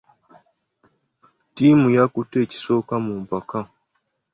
Ttiimu yakutte kisooka mu mpaka.